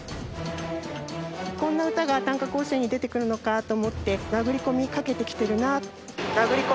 こんな歌が短歌甲子園に出てくるのかと思って殴り込みかけてきてるな。